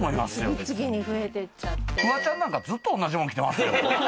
フワちゃんなんかずっと同じもん着てますよ！